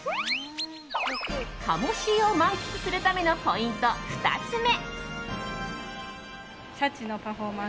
鴨シーを満喫するためのポイント２つ目。